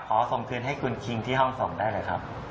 ขอส่งคืนให้คุณคิงที่ห้องส่งได้เลยครับ